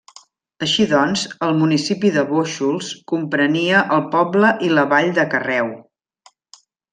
Així doncs, el municipi de Bóixols comprenia el poble i la vall de Carreu.